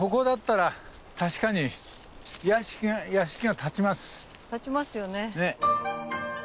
建ちますよね。